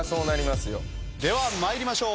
では参りましょう。